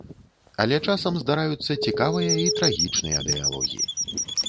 Але часам здараюцца цікавыя і трагічныя дыялогі.